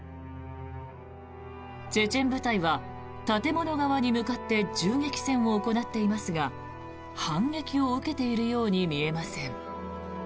チェチェン部隊は建物側に向かって銃撃戦を行っていますが反撃を受けているように見えません。